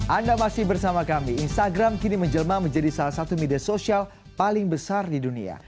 anda masih bersama kami instagram kini menjelma menjadi salah satu media sosial paling besar di dunia